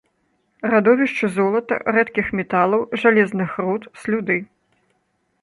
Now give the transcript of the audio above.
Радовішчы золата, рэдкіх металаў, жалезных руд, слюды.